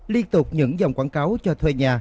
liên tục những dòng quảng cáo cho thuê nhà